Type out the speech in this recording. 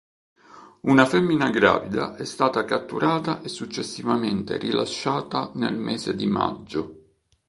Una femmina gravida è stata catturata e successivamente rilasciata nel mese di maggio.